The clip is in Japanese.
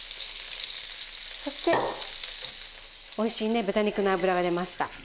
そしておいしいね豚肉の脂が出ました。